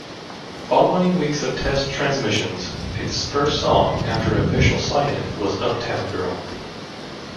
Following weeks of test transmissions, its first song after official sign-in was Uptown Girl.